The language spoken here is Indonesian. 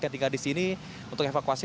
yang tinggal di sini untuk evakuasi